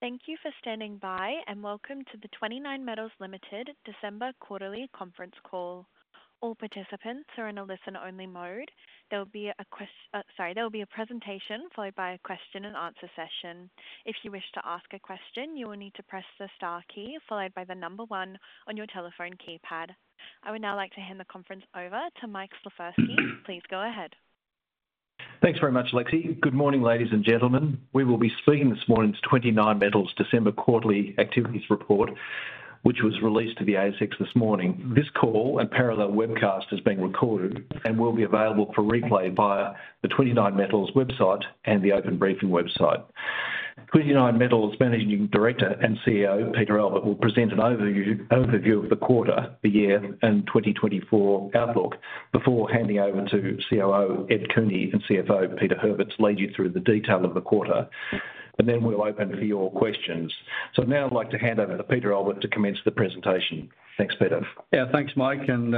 Thank you for standing by, and welcome to the 29Metals Limited December quarterly conference call. All participants are in a listen-only mode. There will be a presentation followed by a question-and-answer session. If you wish to ask a question, you will need to press the star key followed by the number one on your telephone keypad. I would now like to hand the conference over to Mike Slifirski. Please go ahead. Thanks very much, Lexi. Good morning, ladies and gentlemen. We will be speaking this morning to 29Metals December quarterly activities report, which was released to the ASX this morning. This call and parallel webcast is being recorded and will be available for replay via the 29Metals website and the Open Briefing website. 29Metals Managing Director and CEO, Peter Albert, will present an overview, overview of the quarter, the year, and 2024 outlook before handing over to COO Ed Cooney and CFO Peter Herbert to lead you through the detail of the quarter. And then we'll open for your questions. So now I'd like to hand over to Peter Albert to commence the presentation. Thanks, Peter. Yeah, thanks, Mike, and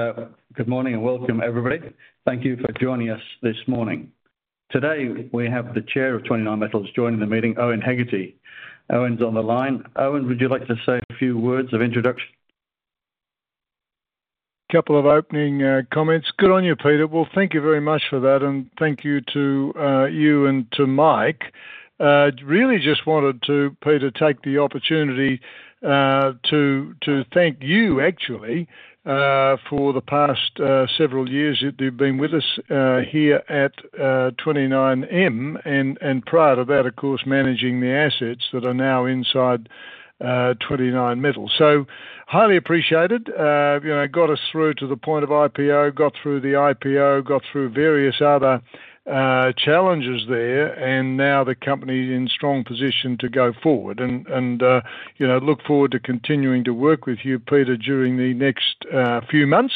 good morning and welcome, everybody. Thank you for joining us this morning. Today, we have the Chair of 29Metals joining the meeting, Owen Hegarty. Owen's on the line. Owen, would you like to say a few words of introduction? Couple of opening comments. Good on you, Peter. Well, thank you very much for that, and thank you to you and to Mike. I really just wanted to, Peter, take the opportunity to thank you, actually, for the past several years that you've been with us here at 29Metals, and prior to that, of course, managing the assets that are now inside 29Metals. So highly appreciated. You know, got us through to the point of IPO, got through the IPO, got through various other challenges there, and now the company is in strong position to go forward and, you know, look forward to continuing to work with you, Peter, during the next few months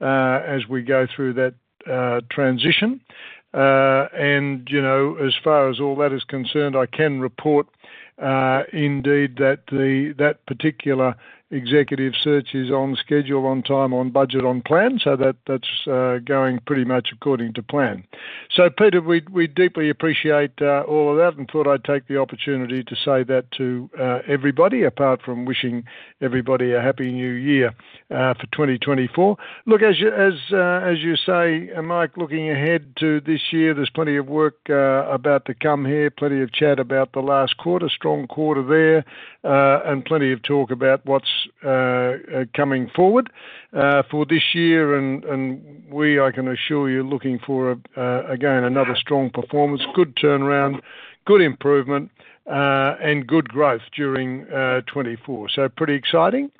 as we go through that transition. You know, as far as all that is concerned, I can report, indeed, that that particular executive search is on schedule, on time, on budget, on plan, so that's going pretty much according to plan. So, Peter, we deeply appreciate all of that, and thought I'd take the opportunity to say that to everybody, apart from wishing everybody a happy new year for 2024. Look, as you say, and Mike, looking ahead to this year, there's plenty of work about to come here, plenty of chat about the last quarter, strong quarter there, and plenty of talk about what's coming forward for this year, and we, I can assure you, looking for again another strong performance, good turnaround, good improvement, and good growth during 2024. So pretty exciting.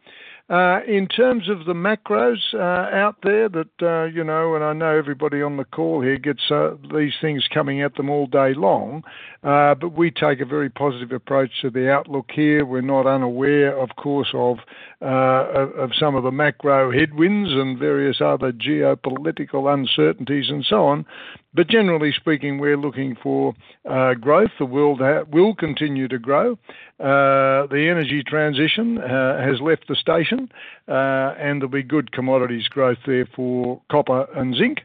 In terms of the macros out there that, you know, and I know everybody on the call here gets these things coming at them all day long, but we take a very positive approach to the outlook here. We're not unaware, of course, of some of the macro headwinds and various other geopolitical uncertainties and so on. But generally speaking, we're looking for growth. The world will continue to grow. The energy transition has left the station, and there'll be good commodities growth there for copper and zinc,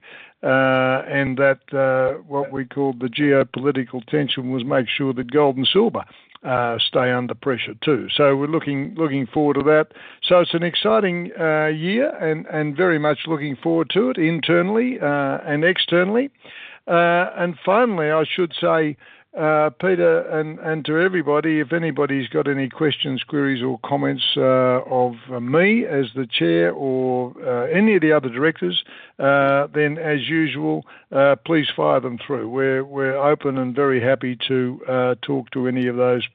and that, what we call the geopolitical tension, will make sure that gold and silver stay under pressure, too. So we're looking forward to that. So it's an exciting year and very much looking forward to it internally and externally. And finally, I should say, Peter, and to everybody, if anybody's got any questions, queries, or comments of me as the Chair or any of the other directors, then as usual, please fire them through. We're open and very happy to talk to any of those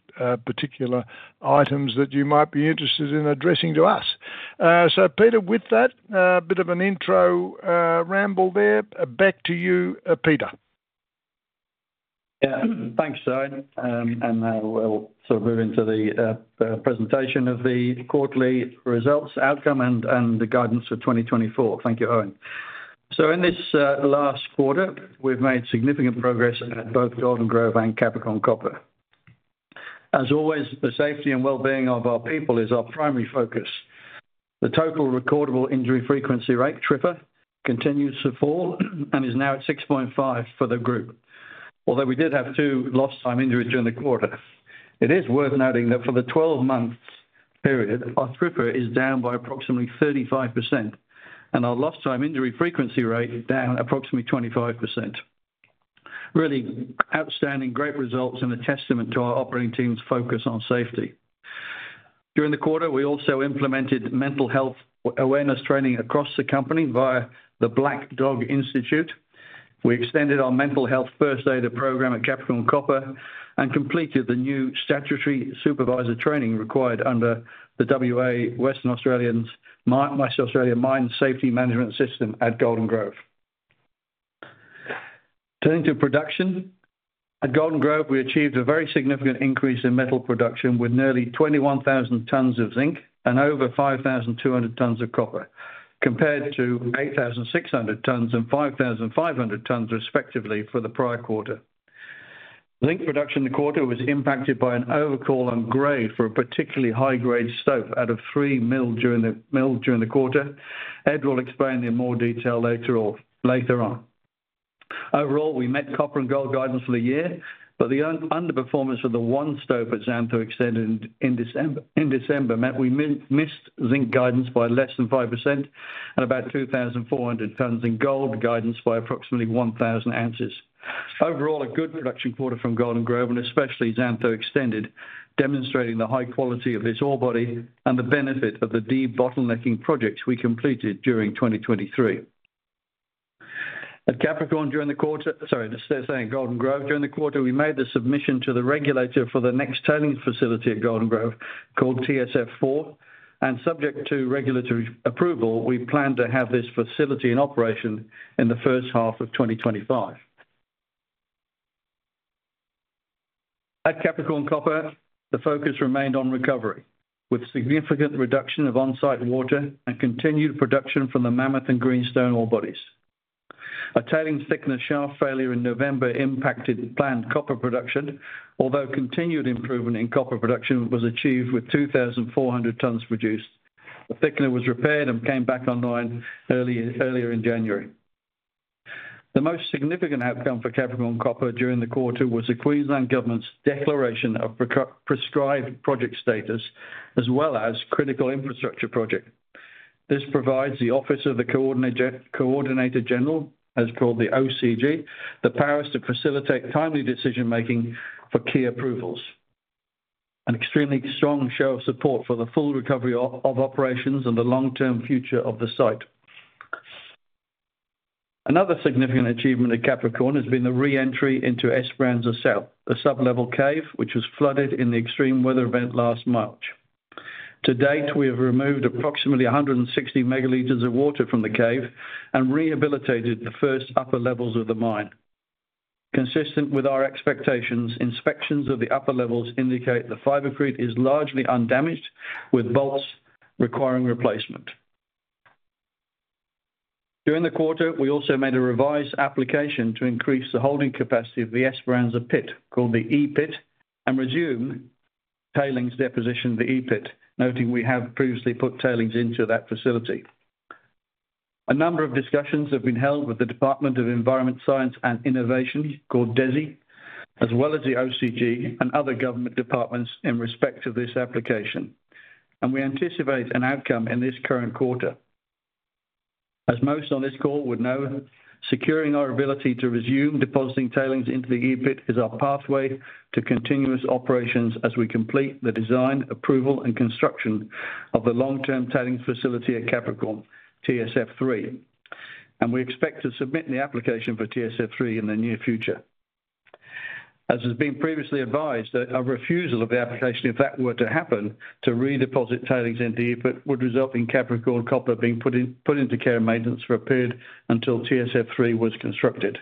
particular items that you might be interested in addressing to us. So Peter, with that bit of an intro ramble there. Back to you, Peter. Yeah, thanks, Owen. And now I'll sort of move into the presentation of the quarterly results, outcome, and the guidance for 2024. Thank you, Owen. So in this last quarter, we've made significant progress at both Golden Grove and Capricorn Copper. As always, the safety and well-being of our people is our primary focus. The total recordable injury frequency rate, TRIFR, continues to fall and is now at 6.5 for the group. Although we did have two lost time injuries during the quarter, it is worth noting that for the 12 months period, our TRIFR is down by approximately 35%, and our lost time injury frequency rate is down approximately 25%. Really outstanding, great results and a testament to our operating team's focus on safety. During the quarter, we also implemented mental health awareness training across the company via the Black Dog Institute. We extended our mental health first aider program at Capricorn Copper and completed the new statutory supervisor training required under the WA, Western Australian Mine Safety Management System at Golden Grove. Turning to production, at Golden Grove, we achieved a very significant increase in metal production, with nearly 21,000 tons of zinc and over 5,200 tons of copper, compared to 8,600 tons and 5,500 tons, respectively, for the prior quarter. Zinc production in the quarter was impacted by an overcall on grade for a particularly high-grade stope out of three milled during the quarter. Ed will explain in more detail later or later on. Overall, we met copper and gold guidance for the year, but the underperformance of the one stope at Xantho Extended in December meant we missed zinc guidance by less than 5% and about 2,400 tons in gold guidance by approximately 1,000 oz. Overall, a good production quarter from Golden Grove, and especially Xantho Extended, demonstrating the high quality of this ore body and the benefit of the de-bottlenecking projects we completed during 2023. At Capricorn, during the quarter - sorry, staying at Golden Grove. During the quarter, we made the submission to the regulator for the next tailing facility at Golden Grove, called TSF4, and subject to regulatory approval, we plan to have this facility in operation in the first half of 2025. At Capricorn Copper, the focus remained on recovery, with significant reduction of on-site water and continued production from the Mammoth and Greenstone ore bodies. A tailings thickener shaft failure in November impacted the planned copper production, although continued improvement in copper production was achieved with 2,400 tons produced. The thickener was repaired and came back online earlier in January. The most significant outcome for Capricorn Copper during the quarter was the Queensland Government's declaration of prescribed project status, as well as critical infrastructure project. This provides the Office of the Coordinator General, also called the OCG, the powers to facilitate timely decision-making for key approvals. An extremely strong show of support for the full recovery of operations and the long-term future of the site. Another significant achievement at Capricorn has been the re-entry into Esperanza South, a sub-level cave, which was flooded in the extreme weather event last March. To date, we have removed approximately 160 ML of water from the cave and rehabilitated the first upper levels of the mine. Consistent with our expectations, inspections of the upper levels indicate the fibrecrete is largely undamaged, with bolts requiring replacement. During the quarter, we also made a revised application to increase the holding capacity of the Esperanza Pit, called the EPit, and resume tailings deposition in the EPit, noting we have previously put tailings into that facility. A number of discussions have been held with the Department of Environment, Science, and Innovation, called DESI, as well as the OCG and other government departments in respect to this application, and we anticipate an outcome in this current quarter. As most on this call would know, securing our ability to resume depositing tailings into the EPit is our pathway to continuous operations as we complete the design, approval, and construction of the long-term tailing facility at Capricorn, TSF3, and we expect to submit the application for TSF3 in the near future. As has been previously advised, a refusal of the application, if that were to happen, to redeposit tailings into EPit, would result in Capricorn Copper being put into care and maintenance for a period until TSF3 was constructed.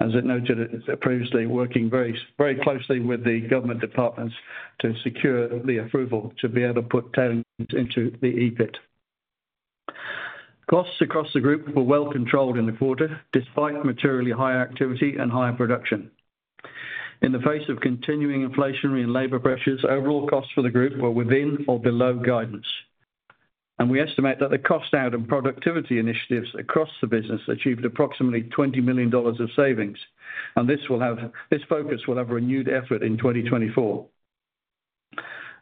As noted previously, working very, very closely with the government departments to secure the approval to be able to put tailings into the EPit. Costs across the group were well controlled in the quarter, despite materially higher activity and higher production. In the face of continuing inflationary and labor pressures, overall costs for the group were within or below guidance. We estimate that the cost out and productivity initiatives across the business achieved approximately 20 million dollars of savings, and this focus will have a renewed effort in 2024.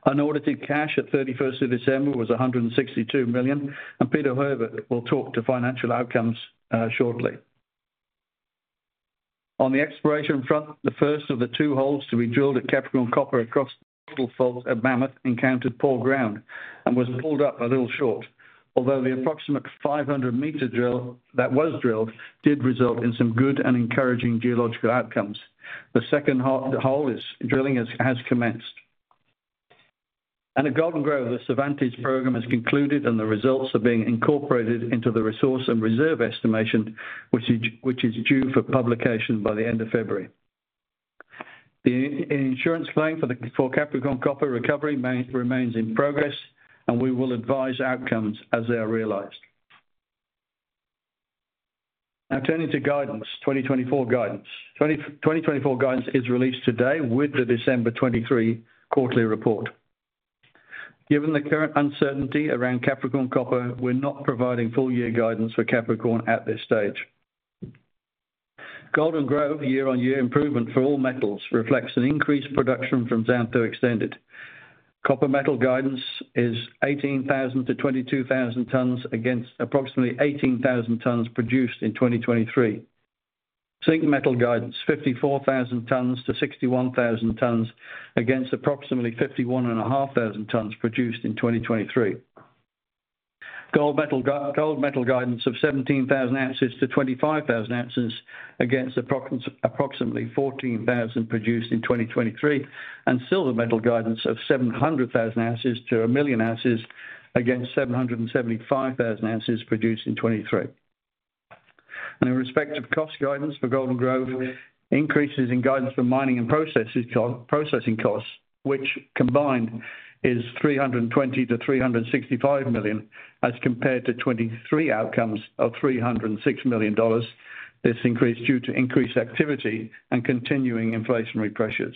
Unaudited cash at 31st of December was 162 million, and Peter Herbert will talk to financial outcomes shortly. On the exploration front, the first of the two holes to be drilled at Capricorn Copper across the fault at Mammoth encountered poor ground and was pulled up a little short. Although the approximate 500-meter drill that was drilled did result in some good and encouraging geological outcomes. The second hole drilling has commenced. At Golden Grove, the Cervantes program has concluded, and the results are being incorporated into the resource and reserve estimation, which is due for publication by the end of February. The insurance claim for Capricorn Copper recovery remains in progress, and we will advise outcomes as they are realized. Now, turning to guidance, 2024 guidance. 2024 guidance is released today with the December 2023 quarterly report. Given the current uncertainty around Capricorn Copper, we're not providing full year guidance for Capricorn at this stage. Golden Grove year-on-year improvement for all metals reflects an increased production from Xantho Extended. Copper metal guidance is 18,000-22,000 tons, against approximately 18,000 tons produced in 2023. Zinc metal guidance, 54,000-61,000 tons, against approximately 51,500 tons produced in 2023. Gold metal guidance of 17,000 oz-25,000 oz, against approximately 14,000 oz produced in 2023, and silver metal guidance of 700,000 oz-1 million oz, against 775,000 oz produced in 2023. In respect of cost guidance for Golden Grove, increases in guidance for mining and processing costs, which combined is 320 million-365 million, as compared to 2023 outcomes of 306 million dollars. This increase due to increased activity and continuing inflationary pressures.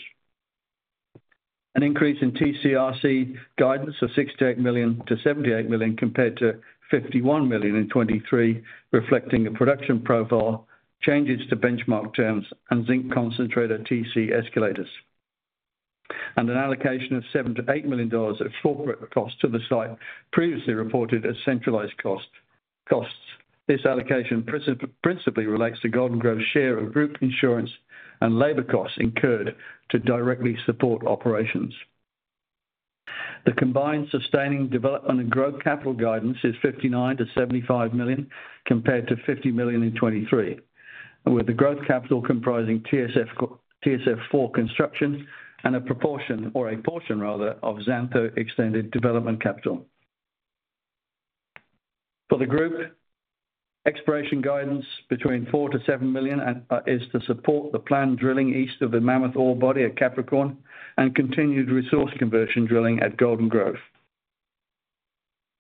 An increase in TCRC guidance of 68 million-78 million, compared to 51 million in 2023, reflecting a production profile, changes to benchmark terms, and zinc concentrate at TC escalators. An allocation of 7 million-8 million dollars at full cost to the site, previously reported as centralized costs. This allocation principally relates to Golden Grove's share of group insurance and labor costs incurred to directly support operations. The combined sustaining development and growth capital guidance is 59 million-75 million, compared to 50 million in 2023, with the growth capital comprising TSF4 for construction and a proportion, or a portion rather, of Xantho Extended development capital. For the group, exploration guidance between 4 million-7 million is to support the planned drilling east of the Mammoth ore body at Capricorn and continued resource conversion drilling at Golden Grove.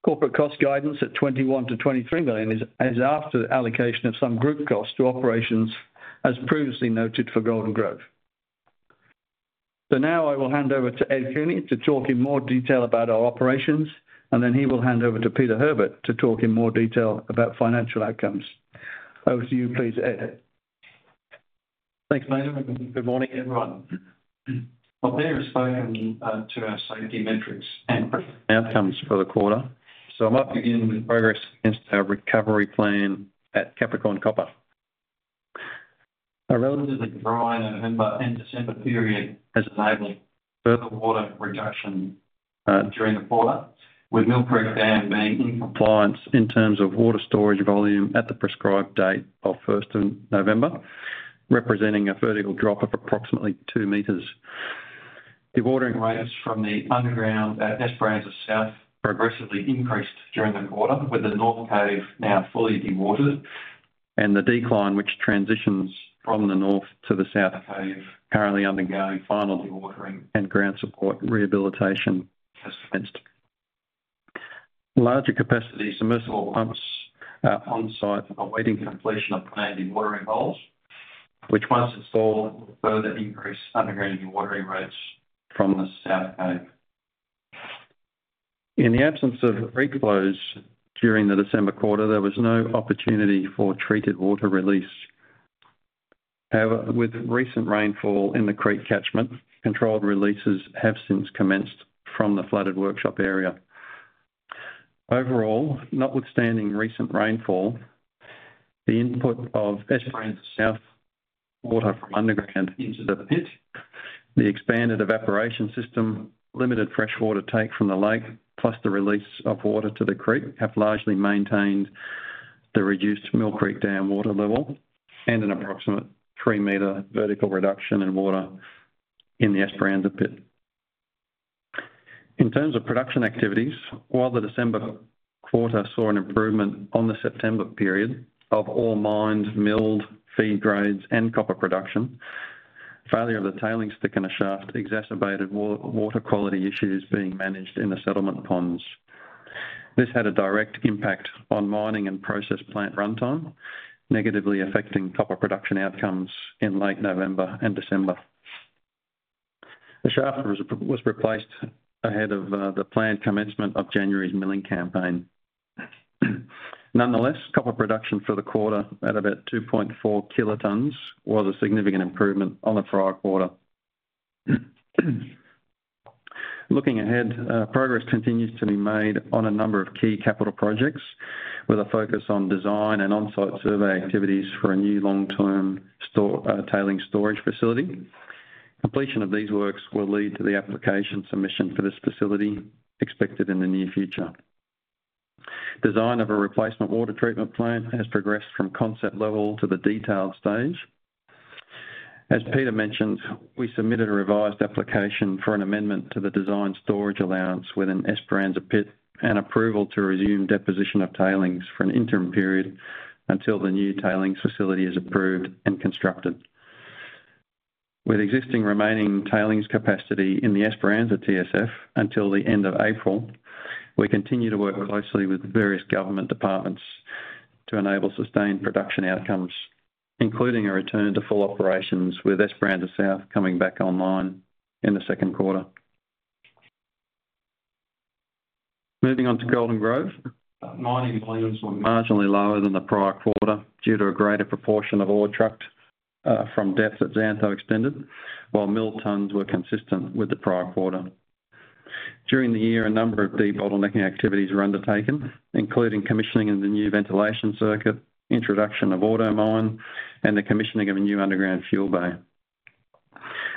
Corporate cost guidance at 21 million-23 million is after the allocation of some group costs to operations, as previously noted, for Golden Grove. So now I will hand over to Ed Cooney to talk in more detail about our operations, and then he will hand over to Peter Herbert to talk in more detail about financial outcomes. Over to you, please, Ed. Thanks, Peter, and good morning, everyone. Well, Peter has spoken to our safety metrics and outcomes for the quarter, so I'd like to begin with progress against our recovery plan at Capricorn Copper. A relatively dry November and December period has enabled further water reduction during the quarter, with Mill Creek Dam being in compliance in terms of water storage volume at the prescribed date of first of November, representing a vertical drop of approximately 2 meters. Dewatering rates from the underground at Esperanza South progressively increased during the quarter, with the North cave now fully dewatered, and the decline, which transitions from the north to the South Cave, currently undergoing final dewatering and ground support rehabilitation has commenced. Larger capacity submersible pumps on-site are awaiting completion of planned dewatering holes, which once installed, will further increase underground dewatering rates from the South Cave. In the absence of creek flows during the December quarter, there was no opportunity for treated water release. However, with recent rainfall in the creek catchment, controlled releases have since commenced from the flooded workshop area. Overall, notwithstanding recent rainfall, the input of Esperanza South water from underground into the pit, the expanded evaporation system, limited freshwater take from the lake, plus the release of water to the creek, have largely maintained the reduced Mill Creek Dam water level and an approximate 3-meter vertical reduction in water in the Esperanza Pit. In terms of production activities, while the December quarter saw an improvement on the September period of all mined, milled feed grades and copper production, failure of the tailings thickener shaft exacerbated water quality issues being managed in the settlement ponds. This had a direct impact on mining and process plant runtime, negatively affecting copper production outcomes in late November and December. The shaft was replaced ahead of the planned commencement of January's milling campaign. Nonetheless, copper production for the quarter, at about 2.4 kilotons, was a significant improvement on the prior quarter. Looking ahead, progress continues to be made on a number of key capital projects, with a focus on design and on-site survey activities for a new long-term storage tailings storage facility. Completion of these works will lead to the application submission for this facility, expected in the near future. Design of a replacement water treatment plant has progressed from concept level to the detail stage. As Peter mentioned, we submitted a revised application for an amendment to the Design Storage Allowance within Esperanza Pit, and approval to resume deposition of tailings for an interim period until the new tailings facility is approved and constructed. With existing remaining tailings capacity in the Esperanza TSF until the end of April, we continue to work closely with various government departments to enable sustained production outcomes, including a return to full operations, with Esperanza South coming back online in the second quarter. Moving on to Golden Grove. Mining volumes were marginally lower than the prior quarter due to a greater proportion of ore trucked from depth at Xantho Extended, while mill tons were consistent with the prior quarter. During the year, a number of de-bottlenecking activities were undertaken, including commissioning of the new ventilation circuit, introduction of AutoMine, and the commissioning of a new underground fuel bay.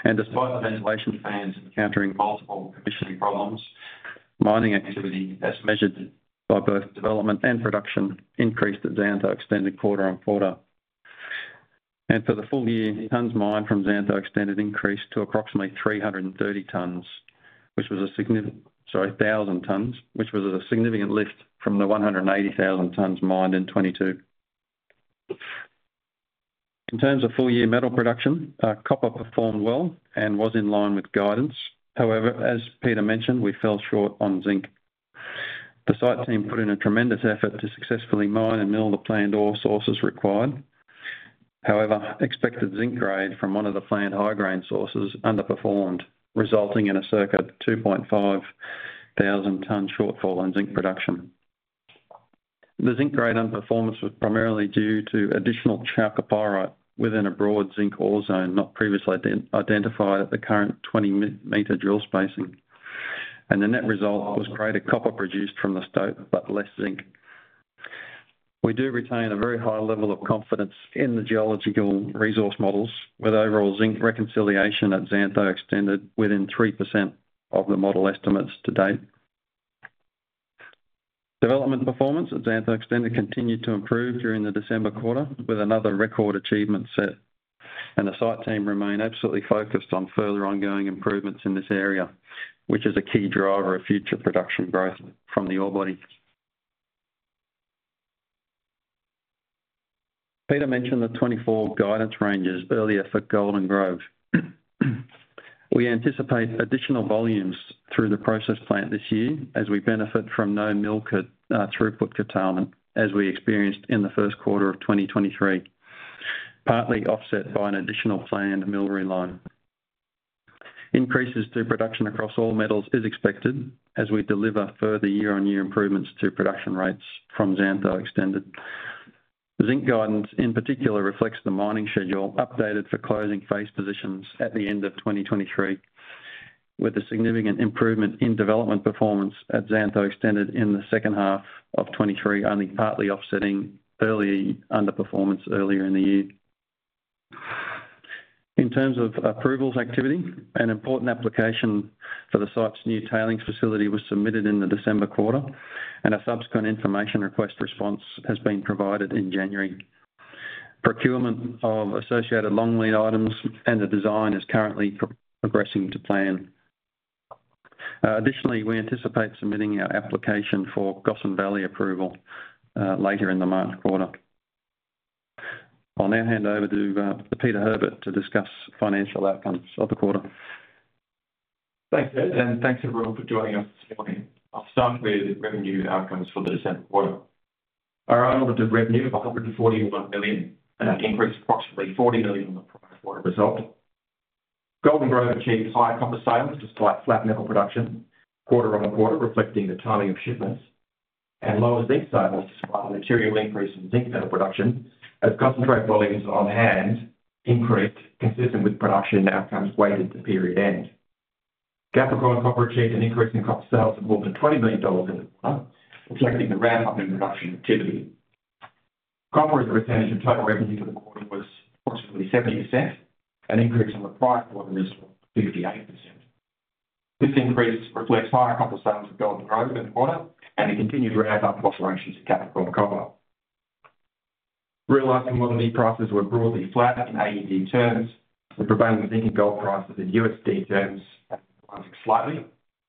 Despite the ventilation fans encountering multiple commissioning problems, mining activity, as measured by both development and production, increased at Xantho Extended quarter-on-quarter. For the full year, tons mined from Xantho Extended increased to approximately 330,000 tons, which was a significant lift from the 180,000 tons mined in 2022. In terms of full-year metal production, copper performed well and was in line with guidance. However, as Peter mentioned, we fell short on zinc. The site team put in a tremendous effort to successfully mine and mill the planned ore sources required. However, expected zinc grade from one of the planned high-grade sources underperformed, resulting in a circa 2,500-ton shortfall in zinc production. The zinc grade underperformance was primarily due to additional chalcopyrite within a broad zinc ore zone, not previously identified at the current 20-meter drill spacing. The net result was greater copper produced from the stope, but less zinc. We do retain a very high level of confidence in the geological resource models, with overall zinc reconciliation at Xantho Extended within 3% of the model estimates to date. Development performance at Xantho Extended continued to improve during the December quarter, with another record achievement set, and the site team remain absolutely focused on further ongoing improvements in this area, which is a key driver of future production growth from the ore body. Peter mentioned the 2024 guidance ranges earlier for Golden Grove. We anticipate additional volumes through the process plant this year as we benefit from no mill throughput curtailment, as we experienced in the first quarter of 2023, partly offset by an additional planned mill reline. Increases to production across all metals is expected as we deliver further year-on-year improvements to production rates from Xantho Extended. The zinc guidance, in particular, reflects the mining schedule updated for closing phase positions at the end of 2023, with a significant improvement in development performance at Xantho Extended in the second half of 2023, only partly offsetting early underperformance earlier in the year. In terms of approvals activity, an important application for the site's new tailings facility was submitted in the December quarter, and a subsequent information request response has been provided in January. Procurement of associated long-lead items and the design is currently progressing to plan. Additionally, we anticipate submitting our application for Gossan Valley approval later in the March quarter. I'll now hand over to Peter Herbert to discuss financial outcomes of the quarter. Thanks, Ed, and thanks, everyone, for joining us this morning. I'll start with revenue outcomes for the December quarter. Our quarter revenue of 141 million, and that increased approximately 40 million on the prior quarter result. Golden Grove achieved higher copper sales, despite flat metal production quarter on quarter, reflecting the timing of shipments. Lower zinc sales, despite a material increase in zinc metal production, as concentrate volumes on hand increased, consistent with production outcomes weighted to period end. Capricorn Copper achieved an increase in copper sales of more than 20 million dollars in the quarter, reflecting the ramp-up in production activity. Copper, as a percentage of total revenue for the quarter, was approximately 70%, an increase on the prior quarter result, 58%. This increase reflects higher copper sales at Golden Grove in the quarter and the continued ramp-up operations at Capricorn Copper. Realized metal prices were broadly flat in AUD terms, the prevailing zinc and gold prices in USD terms, rising slightly,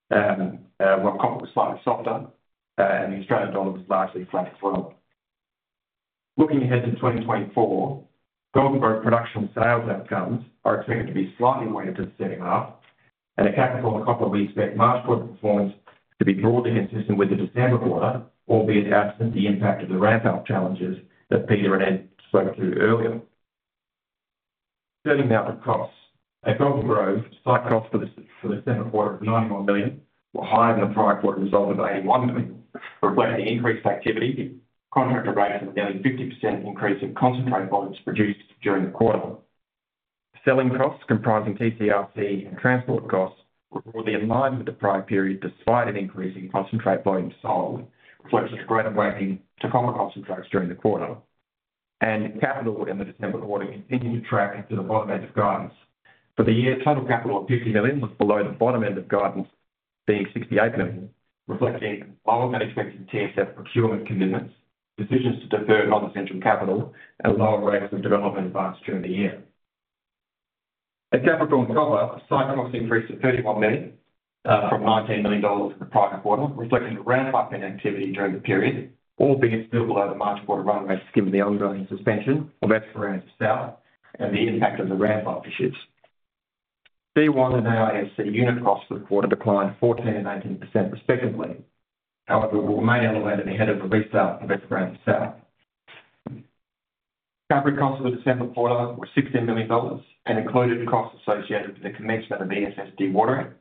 while copper was slightly softer, and the Australian dollar was largely flat as well. Looking ahead to 2024, Golden Grove production sales outcomes are expected to be slightly weighted to the second half, and at Capricorn Copper, we expect March quarter performance to be broadly consistent with the December quarter, albeit absent the impact of the ramp-up challenges that Peter and Ed spoke to earlier. Turning now to costs. At Golden Grove, site costs for the December quarter of 91 million were higher than the prior quarter result of 81 million, reflecting increased activity, contract rates, and nearly 50% increase in concentrate volumes produced during the quarter. Selling costs, comprising TCRC and transport costs, were broadly in line with the prior period, despite an increase in concentrate volume sold, reflecting a greater weighting to copper concentrates during the quarter. Capital in the December quarter continued to track to the bottom end of guidance. For the year, total capital of 50 million was below the bottom end of guidance, being 68 million, reflecting lower than expected TSF procurement commitments, decisions to defer non-essential capital, and lower rates of development advanced during the year. At Capricorn Copper, site costs increased to 31 million from 19 million dollars in the prior quarter, reflecting the ramp-up in activity during the period, albeit still below the March quarter run rate, given the ongoing suspension of Esperanza South and the impact of the ramp-up issues. C1 and AISC unit costs for the quarter declined 14% and 18%, respectively, however, were mainly elevated ahead of the restart of Esperanza South. Recovery costs for the December quarter were 16 million dollars and included costs associated with the commencement of ESS dewatering.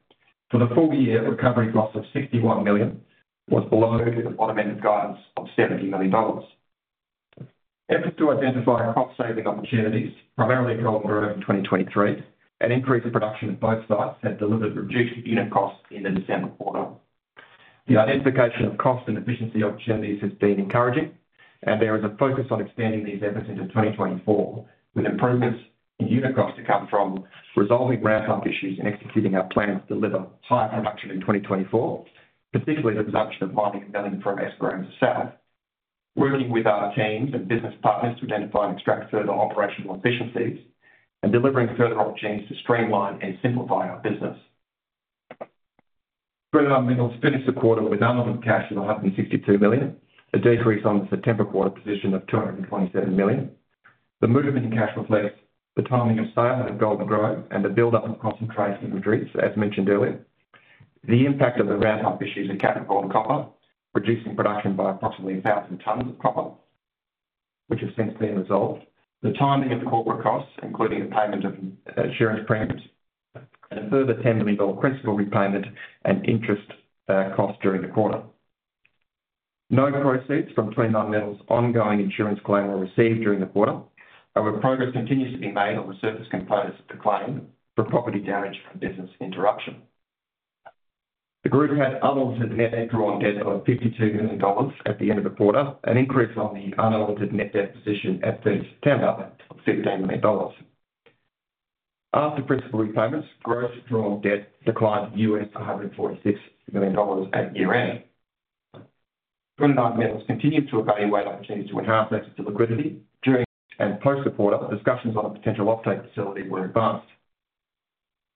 For the full year, recovery costs of 61 million was below the bottom end of guidance of 70 million dollars. Efforts to identify cost-saving opportunities, primarily in Golden Grove in 2023, an increase in production at both sites has delivered reduced unit costs in the December quarter. The identification of cost and efficiency opportunities has been encouraging, and there is a focus on expanding these efforts into 2024, with improvements in unit costs to come from resolving ramp-up issues and executing our plan to deliver higher production in 2024, particularly the production of mining and milling from Esperanza South. We're working with our teams and business partners to identify and extract further operational efficiencies and delivering further opportunities to streamline and simplify our business. 29Metals finished the quarter with available cash of 162 million, a decrease on the September quarter position of 227 million. The movement in cash reflects the timing of sale of Golden Grove and the buildup of concentrate in the drifts, as mentioned earlier. The impact of the ramp-up issues at Capricorn Copper, reducing production by approximately 1,000 tons of copper, which has since been resolved. The timing of the corporate costs, including the payment of insurance premiums and a further 10 million dollar principal repayment and interest costs during the quarter. No proceeds from 29Metals' ongoing insurance claim were received during the quarter. However, progress continues to be made on the surface components of the claim for property damage and business interruption. The group had unaudited net draw on debt of 52 million dollars at the end of the quarter, an increase on the unaudited net debt position at 30 September of 15 million dollars. After principal repayments, gross drawn debt declined to $146 million at year-end. 29Metals continued to evaluate opportunities to enhance access to liquidity during and post-quarter. Discussions on a potential offtake facility were advanced.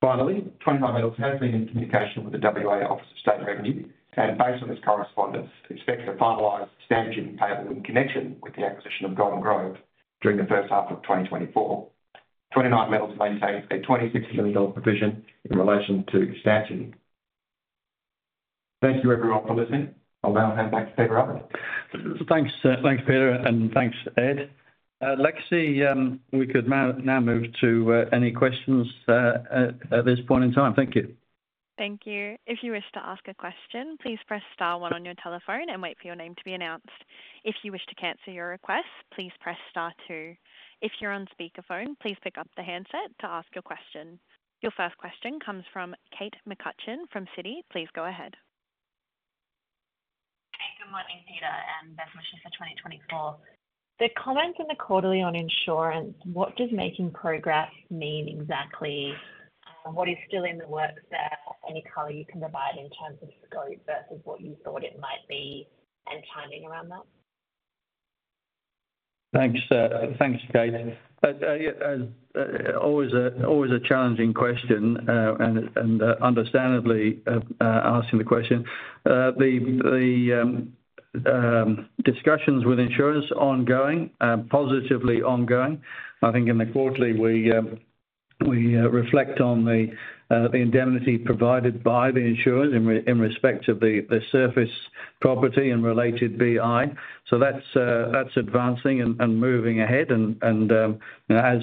Finally, 29Metals has been in communication with the WA Office of State Revenue, and based on this correspondence, expects to finalize the stamp duty payable in connection with the acquisition of Golden Grove during the first half of 2024. 29Metals maintains a 26 million dollar provision in relation to stamp duty. Thank you, everyone, for listening. I'll now hand back to Peter Albert. Thanks, thanks, Peter, and thanks, Ed. Lexi, we could now move to any questions at this point in time. Thank you. Thank you. If you wish to ask a question, please press star one on your telephone and wait for your name to be announced. If you wish to cancel your request, please press star two. If you're on speakerphone, please pick up the handset to ask your question. Your first question comes from Kate McCutcheon from Citi. Please go ahead. Hey, good morning, Peter, and best wishes for 2024. The comments in the quarterly on insurance, what does making progress mean exactly? What is still in the works there? Any color you can provide in terms of scope versus what you thought it might be and timing around that? Thanks, Kate. Always a challenging question, and understandably asking the question. The discussions with insurers are ongoing, positively ongoing. I think in the quarterly, we reflect on the indemnity provided by the insurers in respect of the surface property and related BI. So that's advancing and moving ahead, and as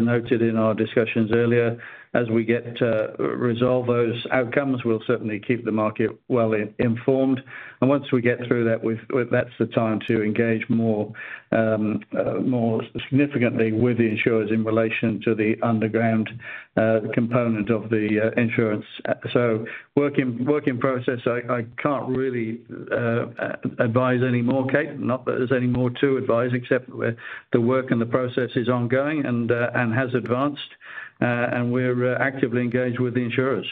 noted in our discussions earlier, as we get to resolve those outcomes, we'll certainly keep the market well informed. And once we get through that, that's the time to engage more significantly with the insurers in relation to the underground component of the insurance. So work in process, I can't really advise any more, Kate. Not that there's any more to advise, except the work and the process is ongoing and has advanced, and we're actively engaged with the insurers.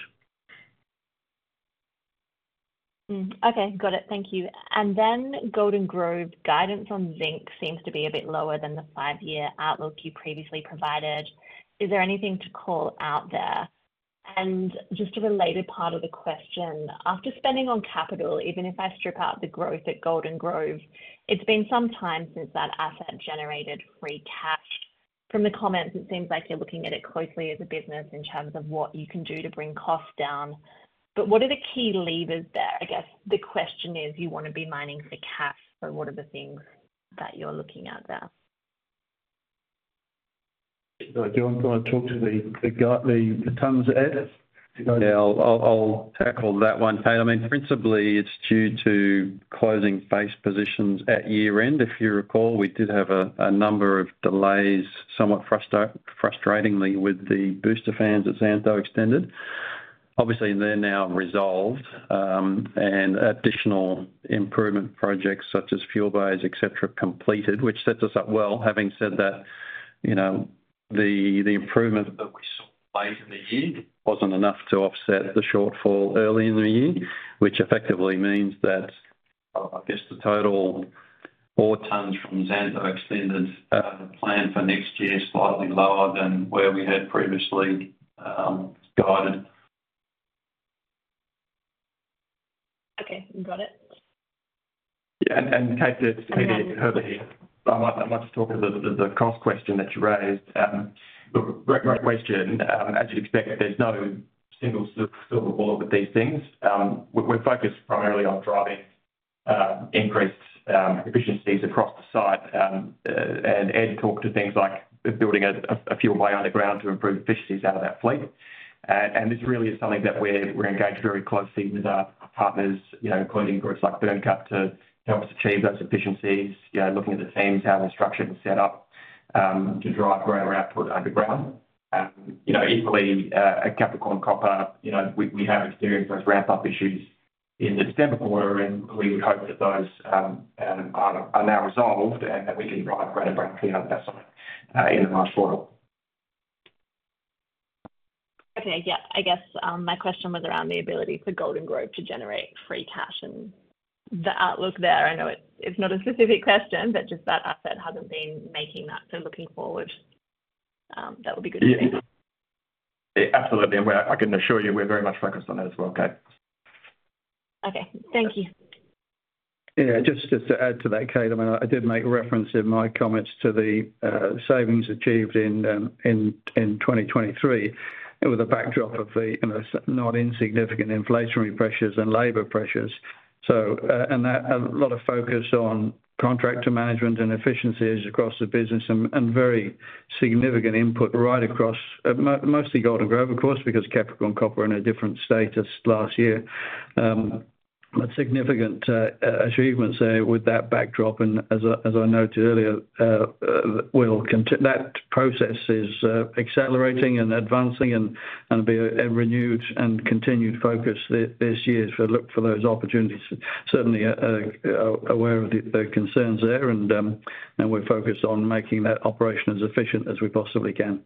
Mm. Okay, got it. Thank you. And then Golden Grove guidance on zinc seems to be a bit lower than the five-year outlook you previously provided. Is there anything to call out there? And just a related part of the question, after spending on capital, even if I strip out the growth at Golden Grove, it's been some time since that asset generated free cash. From the comments, it seems like you're looking at it closely as a business in terms of what you can do to bring costs down. But what are the key levers there? I guess the question is, you want to be mining for cash, so what are the things that you're looking at there? Do you want to talk about the guidance on the tons, Ed? Yeah, I'll tackle that one, Kate. I mean, principally, it's due to closing face positions at year-end. If you recall, we did have a number of delays, somewhat frustratingly, with the booster fans at Xantho Extended. Obviously, they're now resolved, and additional improvement projects, such as fuel bays, et cetera, completed, which sets us up well. Having said that, you know, the improvement that we saw late in the year wasn't enough to offset the shortfall early in the year, which effectively means that, I guess the total ore tons from Xantho Extended plan for next year is slightly lower than where we had previously guided. Okay, got it. Yeah, Kate, it's Peter Herbert. I might just talk a little to the cost question that you raised. Look, great question. As you'd expect, there's no single silver bullet with these things. We're focused primarily on driving increased efficiencies across the site. And Ed talked to things like building a fuel bay underground to improve efficiencies out of that fleet. And this really is something that we're engaged very closely with our partners, you know, including groups like Byrnecut, to help us achieve those efficiencies. You know, looking at the teams, how they're structured and set up to drive greater output underground. You know, equally, at Capricorn Copper, you know, we have experienced those ramp-up issues in the December quarter, and we would hope that those are now resolved and that we can drive greater productivity on that site, in the March quarter. Okay, yeah. I guess, my question was around the ability for Golden Grove to generate free cash and the outlook there. I know it, it's not a specific question, but just that asset hasn't been making that. So looking forward, that would be good to see. Yeah, absolutely. And we're, I can assure you we're very much focused on that as well, Kate. Okay, thank you. Yeah, just to add to that, Kate, I mean, I did make reference in my comments to the savings achieved in 2023, with a backdrop of the, you know, not insignificant inflationary pressures and labor pressures. So, and that a lot of focus on contractor management and efficiencies across the business and very significant input right across mostly Golden Grove, of course, because Capricorn Copper in a different status last year. But significant achievements with that backdrop, and as I noted earlier, that process is accelerating and advancing and be a renewed and continued focus this year. So look for those opportunities, certainly, aware of the concerns there and we're focused on making that operation as efficient as we possibly can.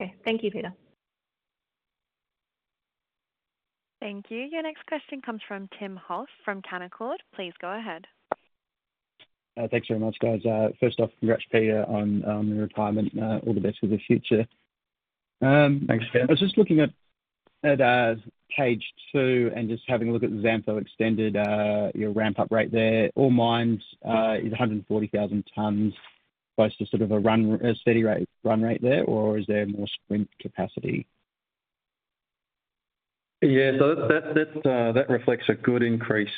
Okay. Thank you, Peter. Thank you. Your next question comes from Tim Hoff from Canaccord. Please go ahead. Thanks very much, guys. First off, congrats, Peter, on your retirement. All the best for the future. Thanks, Tim. I was just looking at page two and just having a look at the Xantho Extended, your ramp-up rate there. Ore mined is 140,000 tons close to sort of a run, a steady rate, run rate there, or is there more sprint capacity? Yeah, so that reflects a good increase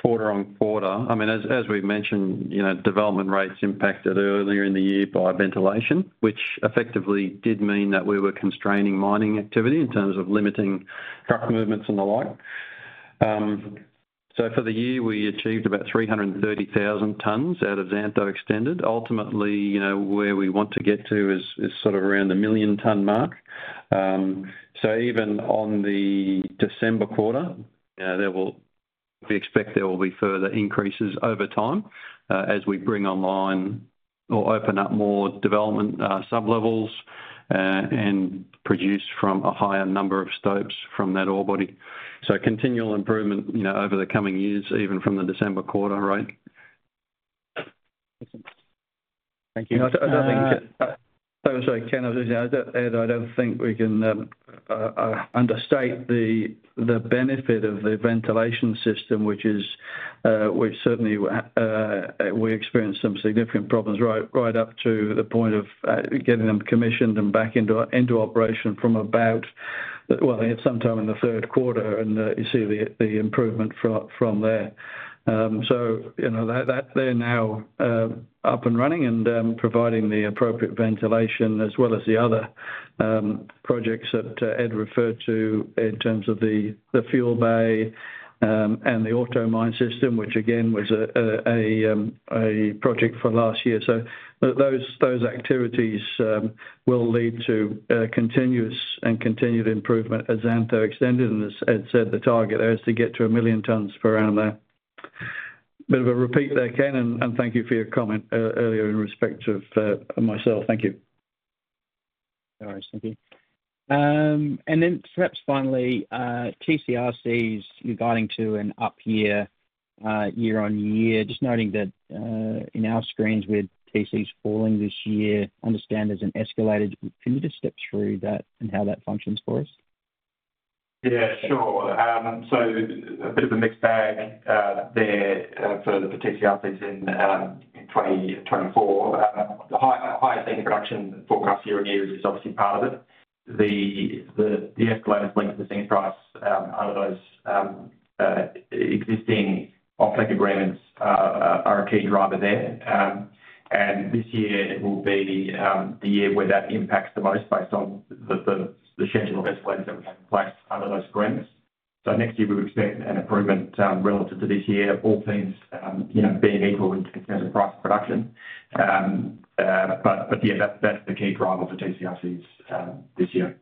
quarter on quarter. I mean, as we've mentioned, you know, development rates impacted earlier in the year by ventilation, which effectively did mean that we were constraining mining activity in terms of limiting truck movements and the like. So for the year, we achieved about 330,000 tons out of Xantho Extended. Ultimately, you know, where we want to get to is sort of around the 1 million-ton mark. So even on the December quarter, there will be further increases over time, as we bring online or open up more development sub levels, and produce from a higher number of stopes from that ore body. So continual improvement, you know, over the coming years, even from the December quarter, right? Thank you. I don't think—oh, sorry, Ken. Ed, I don't think we can understate the benefit of the ventilation system, which is, we've certainly we experienced some significant problems right up to the point of getting them commissioned and back into operation from about, well, sometime in the third quarter, and you see the improvement from there. So you know, that they're now up and running and providing the appropriate ventilation as well as the other projects that Ed referred to in terms of the fuel bay and the AutoMine system, which again, was a project for last year. So those activities will lead to continuous and continued improvement as Xantho Extended, and as Ed said, the target is to get to 1 million tons from around there. Bit of a repeat there, Ken, and thank you for your comment earlier in respect of myself. Thank you. No worries. Thank you. And then perhaps finally, TCRCs regarding to an up year, year on year. Just noting that, in our screens with TCs falling this year, understand there's an escalated. Can you just step through that and how that functions for us? Yeah, sure. So a bit of a mixed bag there for the TCRCs in 2024. The higher zinc production forecast year-over-year is obviously part of it. The escalated linked to the same price under those existing offtake agreements are a key driver there. And this year will be the year where that impacts the most based on the schedule of escalations that we have in place under those agreements. So next year, we would expect an improvement relative to this year, all things you know being equal in terms of price and production. But yeah, that's the key driver for TCRCs this year.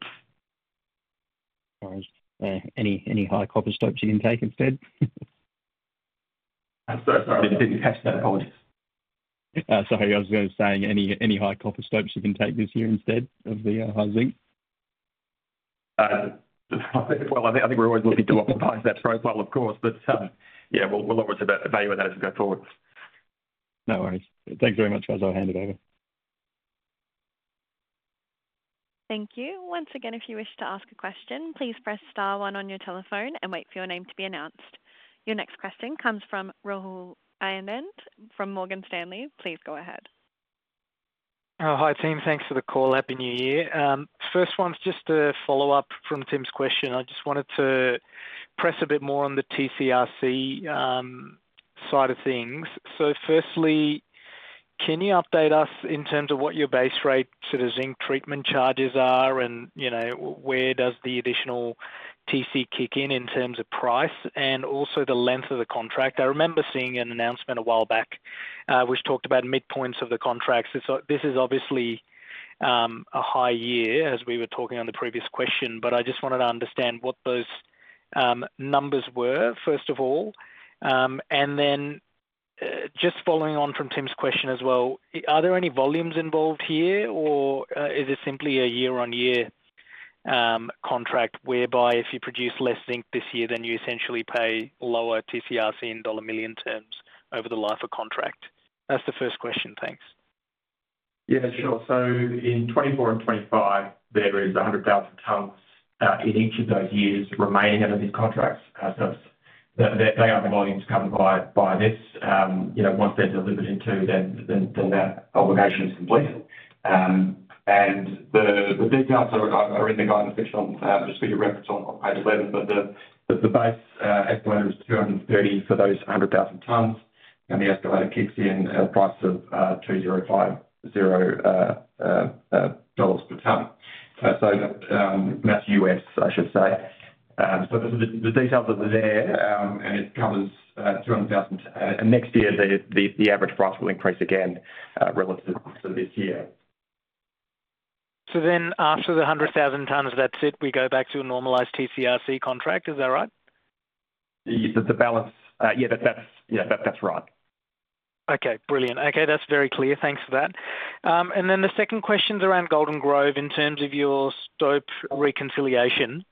Any high copper stopes you can take instead? I'm so sorry, I didn't catch that. Sorry. Sorry. I was gonna say, any, any high copper stopes you can take this year instead of the high zinc? Well, I think we're always looking to optimize that profile, of course. But, yeah, we'll always evaluate that as we go forward. No worries. Thank you very much, guys. I'll hand it over. Thank you. Once again, if you wish to ask a question, please press star one on your telephone and wait for your name to be announced. Your next question comes from Rahul Anand from Morgan Stanley. Please go ahead. Oh, hi, team. Thanks for the call. Happy New Year. First one's just a follow-up from Tim's question. I just wanted to press a bit more on the TCRC side of things. So firstly, can you update us in terms of what your base rate to the zinc treatment charges are, and, you know, where does the additional TC kick in in terms of price and also the length of the contract? I remember seeing an announcement a while back, which talked about midpoints of the contract. So this is obviously a high year, as we were talking on the previous question, but I just wanted to understand what those numbers were, first of all. And then, just following on from Tim's question as well, are there any volumes involved here, or, is this simply a year-on-year contract, whereby if you produce less zinc this year, then you essentially pay lower TCRC in dollar million terms over the life of contract? That's the first question. Thanks.... Yeah, sure. So in 2024 and 2025, there is 100,000 tons in each of those years remaining out of these contracts. So they, they are the volumes covered by, by this. You know, once they're delivered into, then that obligation is complete. And the details are in the guidance section, just for your reference on page 11, but the base escalator is 230 for those 100,000 tons, and the escalator kicks in at a price of $2,050 per ton. So, that's US, I should say. So the details are there, and it covers 200,000. And next year, the average price will increase again, relative to this year. So then after the 100,000 tons, that's it? We go back to a normalized TCRC contract. Is that right? Yes, that's the balance. Yeah, that's right. Okay, brilliant. Okay, that's very clear. Thanks for that. And then the second question's around Golden Grove in terms of your stope reconciliation.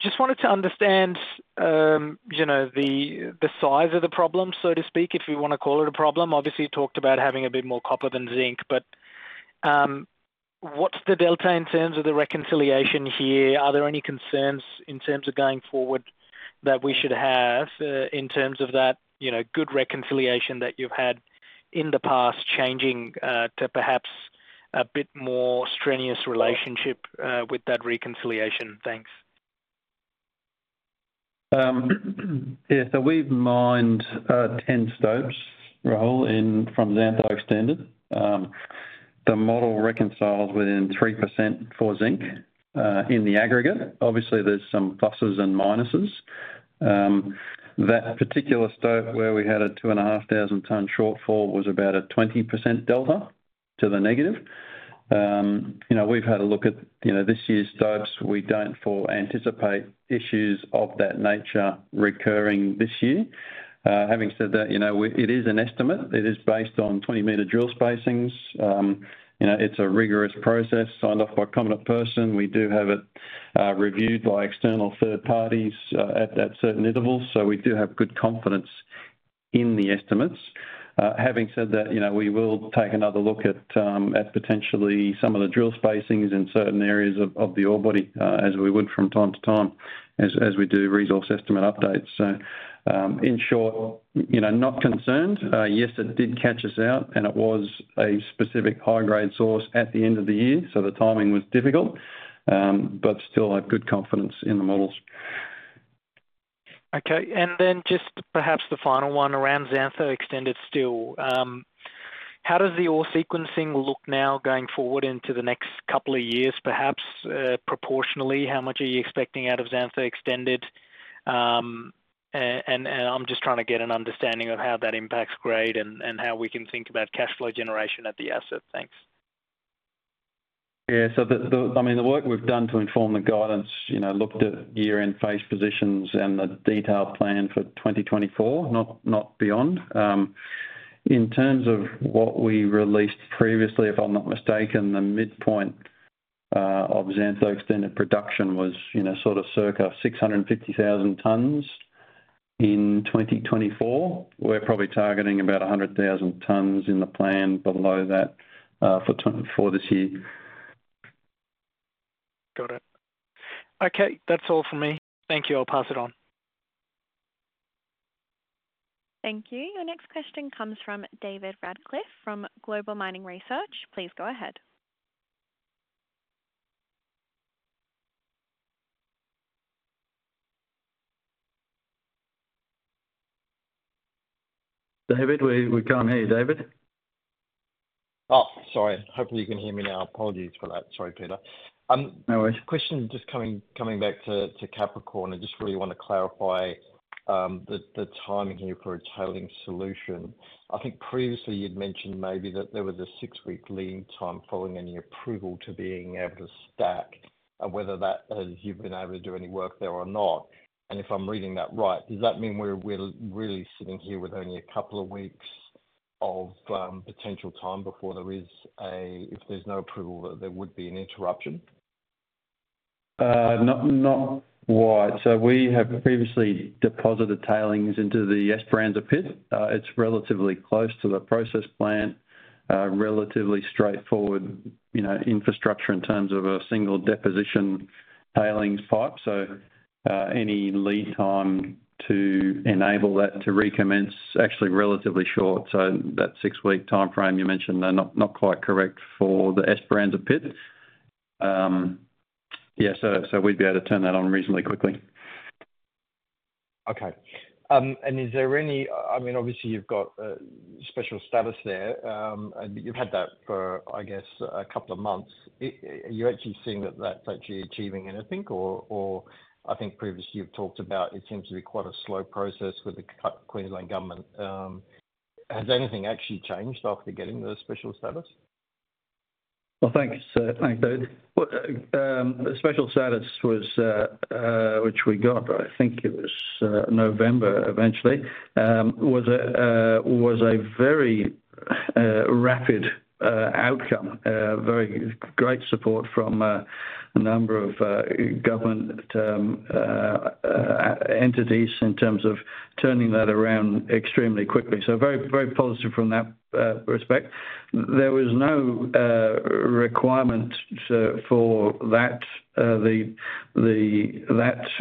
Just wanted to understand, you know, the size of the problem, so to speak, if you wanna call it a problem. Obviously, you talked about having a bit more copper than zinc, but what's the delta in terms of the reconciliation here? Are there any concerns in terms of going forward that we should have in terms of that, you know, good reconciliation that you've had in the past, changing to perhaps a bit more strenuous relationship with that reconciliation? Thanks. Yeah, so we've mined 10 stopes, Rahul, in from Xantho Extended. The model reconciles within 3% for zinc in the aggregate. Obviously, there's some pluses and minuses. That particular stope where we had a 2,500-ton shortfall was about a 20% delta to the negative. You know, we've had a look at, you know, this year's stopes. We don't anticipate issues of that nature recurring this year. Having said that, you know, we... It is an estimate. It is based on 20-meter drill spacings. You know, it's a rigorous process signed off by a competent person. We do have it reviewed by external third parties at that certain interval, so we do have good confidence in the estimates. Having said that, you know, we will take another look at, at potentially some of the drill spacings in certain areas of the ore body, as we would from time to time, as we do resource estimate updates. So, in short, you know, not concerned. Yes, it did catch us out, and it was a specific high-grade source at the end of the year, so the timing was difficult, but still have good confidence in the models. Okay, and then just perhaps the final one around Xantho Extended still. How does the ore sequencing look now going forward into the next couple of years, perhaps, proportionally? How much are you expecting out of Xantho Extended? And I'm just trying to get an understanding of how that impacts grade and how we can think about cash flow generation at the asset. Thanks. Yeah, so I mean, the work we've done to inform the guidance, you know, looked at year-end phase positions and the detailed plan for 2024, not beyond. In terms of what we released previously, if I'm not mistaken, the midpoint of Xantho Extended production was, you know, sort of circa 650,000 tons in 2024. We're probably targeting about 100,000 tons in the plan below that for this year. Got it. Okay, that's all for me. Thank you. I'll pass it on. Thank you. Your next question comes from David Radclyffe from Global Mining Research. Please go ahead. David, we can't hear you, David. Oh, sorry. Hopefully, you can hear me now. Apologies for that. Sorry, Peter. No worries. Question, just coming back to Capricorn. I just really want to clarify the timing here for a tailing solution. I think previously you'd mentioned maybe that there was a six-week lead time following any approval to being able to stack, and whether that you've been able to do any work there or not. And if I'm reading that right, does that mean we're really sitting here with only a couple of weeks of potential time before there is a... If there's no approval, there would be an interruption? Not quite. So we have previously deposited tailings into the Esperanza Pit. It's relatively close to the process plant, relatively straightforward, you know, infrastructure in terms of a single deposition tailings type. So any lead time to enable that to recommence is actually relatively short. So that 6-week timeframe you mentioned, they're not quite correct for the Esperanza Pit. Yeah, so we'd be able to turn that on reasonably quickly. Okay. And is there any—I mean, obviously, you've got special status there, and you've had that for, I guess, a couple of months. You're actually seeing that that's actually achieving anything, or I think previously you've talked about it seems to be quite a slow process with the Queensland government. Has anything actually changed after getting the special status? Well, thanks, thanks, David. Well, the special status was, which we got, I think it was, November eventually, was a, was a very rapid outcome, very great support from a number of government entities in terms of turning that around extremely quickly. So very, very positive from that respect. There was no requirement for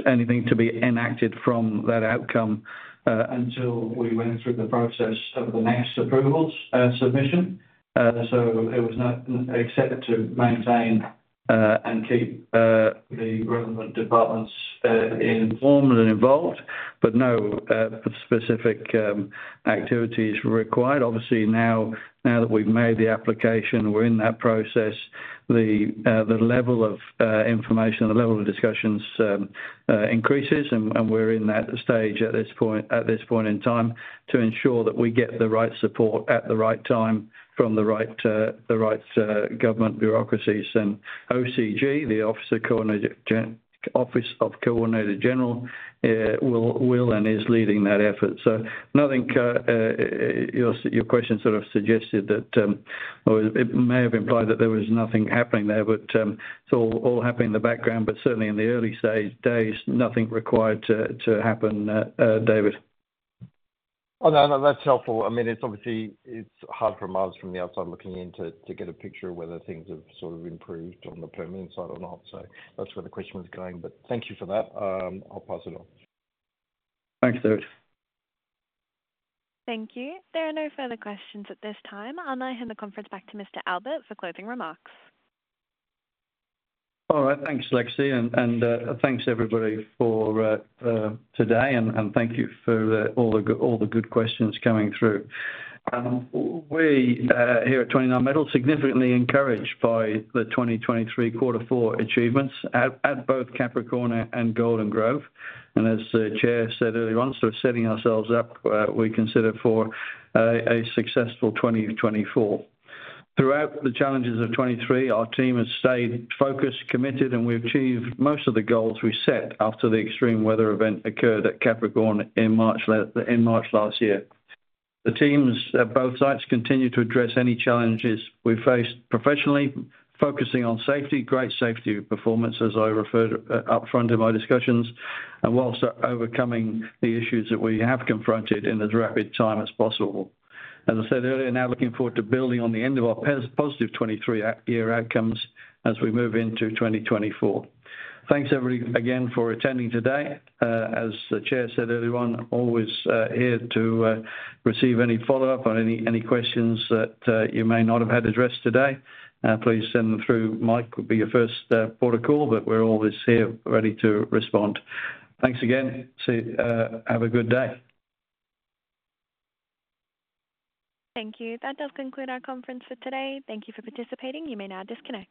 anything to be enacted from that outcome until we went through the process of the next approvals submission. So it was not accepted to maintain and keep the relevant departments informed and involved, but no specific activities were required. Obviously, now that we've made the application, we're in that process, the level of information, the level of discussions increases, and we're in that stage at this point, at this point in time, to ensure that we get the right support at the right time from the right government bureaucracies. And OCG, the Office of the Coordinator General, will and is leading that effort. So nothing. Your question sort of suggested that, or it may have implied that there was nothing happening there, but it's all happening in the background, but certainly in the early stage days, nothing required to happen, David. Oh, no, no, that's helpful. I mean, it's obviously, it's hard for analysts from the outside looking in to get a picture of whether things have sort of improved on the permitting side or not. So that's where the question was going, but thank you for that. I'll pass it on. Thanks, David. Thank you. There are no further questions at this time. I'll now hand the conference back to Mr. Albert for closing remarks. All right. Thanks, Lexi, and thanks everybody for today, and thank you for all the good questions coming through. We here at 29Metals are significantly encouraged by the 2023 quarter four achievements at both Capricorn and Golden Grove. As the Chair said earlier on, so setting ourselves up, we consider for a successful 2024. Throughout the challenges of 2023, our team has stayed focused, committed, and we achieved most of the goals we set after the extreme weather event occurred at Capricorn in March last year. The teams at both sites continue to address any challenges we faced professionally, focusing on safety, great safety performance, as I referred upfront in my discussions, and while overcoming the issues that we have confronted in as rapid time as possible. As I said earlier, now looking forward to building on the end of our positive 2023 year outcomes as we move into 2024. Thanks again for attending today. As the Chair said earlier on, I'm always here to receive any follow-up on any questions that you may not have had addressed today. Please send them through. Mike would be your first port of call, but we're always here ready to respond. Thanks again. See, have a good day. Thank you. That does conclude our conference for today. Thank you for participating. You may now disconnect.